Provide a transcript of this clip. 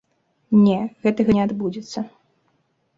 Не, гэтага не адбудзецца.